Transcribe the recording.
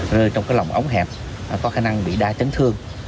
rơi trong cái lòng ống hẹp có khả năng bị đa chấn thương